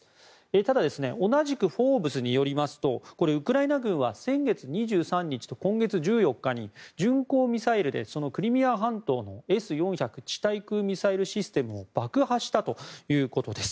ただ、同じく「フォーブス」によりますとウクライナ軍は先月２３日と今月１４日に巡航ミサイルで、クリミア半島のＳ４００地対空ミサイルを爆破したということです。